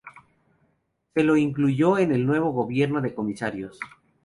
Se lo incluyó en el nuevo Gobierno de comisarios.